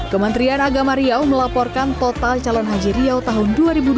kementerian agama riau melaporkan total calon haji riau tahun dua ribu dua puluh